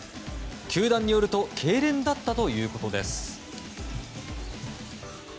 球団によるとけいれんだったということです。